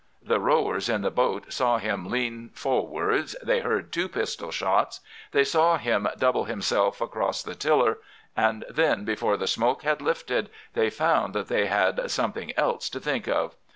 "The rowers in the boat saw him lean forwards, they heard two pistol shots, they saw him double himself across the tiller, and then, before the smoke had lifted, they found that they had something else to think of.